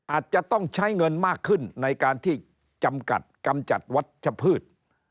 อาจจะต้องใช้เงินมากขึ้นในการที่จำกัดกำจัดวัชพืช